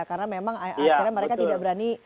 karena memang akhirnya mereka tidak berani